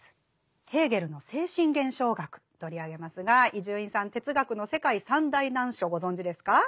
ヘーゲルの「精神現象学」取り上げますが伊集院さん哲学の世界三大難書ご存じですか？